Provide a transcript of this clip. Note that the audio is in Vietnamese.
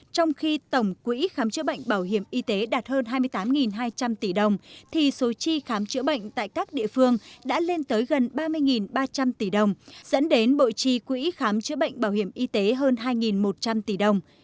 trong khi tổng quỹ khám chữa bệnh bảo hiểm y tế đạt hơn hai mươi tám hai trăm linh tỷ đồng thì số chi khám chữa bệnh tại các địa phương đã lên tới gần ba mươi ba trăm linh tỷ đồng dẫn đến bộ chi quỹ khám chữa bệnh bảo hiểm y tế hơn hai một trăm linh tỷ đồng